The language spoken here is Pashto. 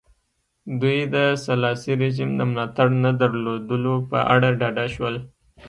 دوی د سلاسي رژیم د ملاتړ نه درلودلو په اړه ډاډه شول.